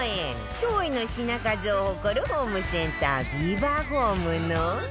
驚異の品数を誇るホームセンタービバホームの